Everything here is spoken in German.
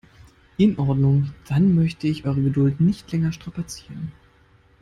In Ordnung, dann möchte ich eure Geduld nicht länger strapazieren.